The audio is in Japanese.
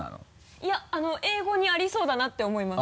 いや英語にありそうだなって思います。